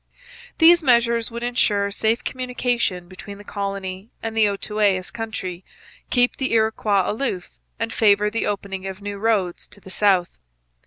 These measures would ensure safe communication between the colony and the Outaouais country, keep the Iroquois aloof, and favour the opening of new roads to the south.